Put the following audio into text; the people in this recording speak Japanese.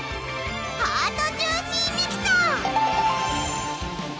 ハートジューシーミキサー！